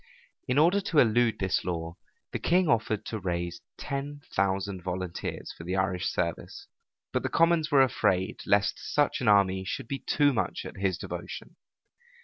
In order to elude this law, the king offered to raise ten thousand volunteers for the Irish service: but the commons were afraid lest such an army should be too much at his devotion.